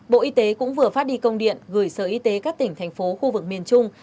bộ y tế cũng vừa phát đi công điện gửi sở y tế các tỉnh thành phố khu vực miền trung